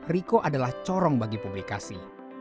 riko adalah corong bagi publikasi